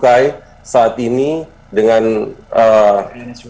kemudian selanjutnya ke becukan